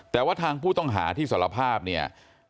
แต่ว่าทางผู้ต้องหาที่สารภาพเนี่ย